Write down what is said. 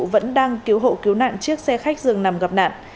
vẫn đang cứu hộ cứu nạn chiếc xe khách dường nằm gặp nạn